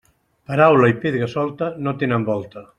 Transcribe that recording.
Paraula i pedra solta no tenen volta.